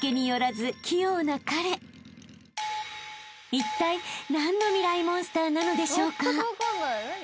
［いったい何のミライ☆モンスターなのでしょうか？］